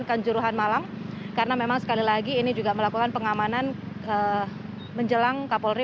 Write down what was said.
kanjuruhan malang karena memang sekali lagi ini juga melakukan pengamanan menjelang kapolri